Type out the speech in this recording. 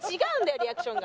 リアクションが。